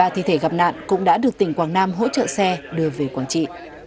ba thi thể gặp nạn cũng đã được tỉnh quảng nam hỗ trợ xe đưa về quảng trị